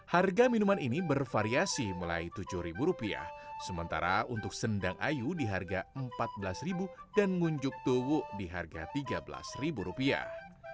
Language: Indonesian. harga minuman ini bervariasi mulai tujuh ribu rupiah sementara untuk sendang ayu di harga empat belas dan ngunjuk tuwuk di harga tiga belas rupiah